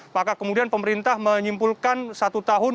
maka kemudian pemerintah menyimpulkan satu tahun